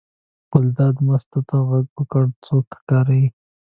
ګلداد مستو ته غږ وکړ: څوک ښکاري.